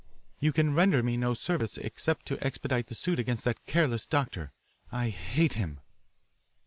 "You can render me no service except to expedite the suit against that careless doctor I hate him."